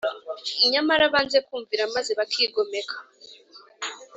Nyamara banze kumvira maze bakigomeka